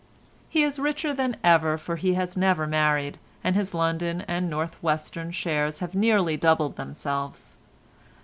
He is richer than ever, for he has never married and his London and North Western shares have nearly doubled themselves.